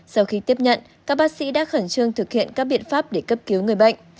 sau khi tiếp nhận các bác sĩ đã khẩn trương thực hiện các biện pháp để cấp cứu người bệnh